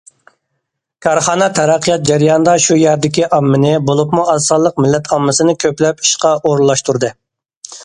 كارخانا تەرەققىيات جەريانىدا شۇ يەردىكى ئاممىنى، بولۇپمۇ ئاز سانلىق مىللەت ئاممىسىنى كۆپلەپ ئىشقا ئورۇنلاشتۇردى.